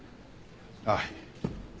ああ。